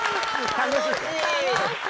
楽しい。